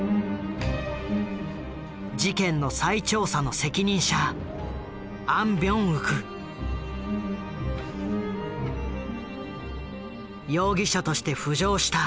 事件の再調査の責任者容疑者として浮上した